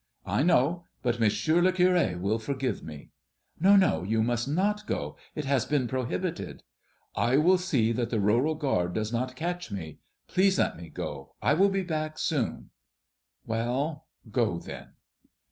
"I know; but Monsieur le Curé will forgive me." "No, no, you must not go; it has been prohibited." "I will see that the rural guard does not catch me. Please let me go; I will be back soon." "Well, go, then."